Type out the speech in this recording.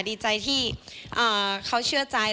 ดีใจที่เขาเชื่อใจ